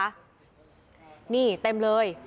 เห็นไหมเต็มเลย